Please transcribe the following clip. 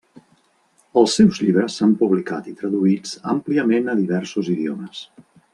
Els seus llibres s'han publicat i traduïts àmpliament a diversos idiomes.